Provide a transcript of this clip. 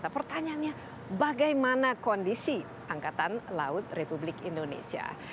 pertanyaannya bagaimana kondisi angkatan laut republik indonesia